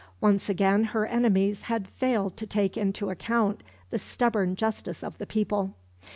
Once again her enemies had failed to take into account the stubborn justice of the people.